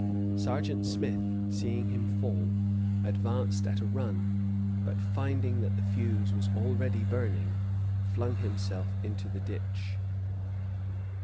Sergeant Smith, seeing him fall, advanced at a run, but finding that the fuse was already burning, flung himself into the ditch."